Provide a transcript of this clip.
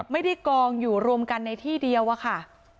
ไม่ได้กองอยู่รวมกันในที่เดียวอะค่ะ